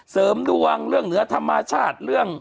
เสริมดวงเนื้อธรรมาชาติเรื่อง